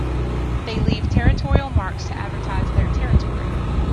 They leave territorial marks to advertise their territory.